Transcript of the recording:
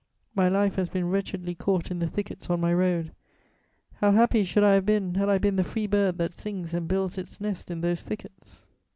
My life has been wretchedly caught in the thickets on my road; how happy should I have been, had I been the free bird that sings and builds its nest in those thickets!